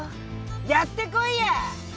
やってこいや！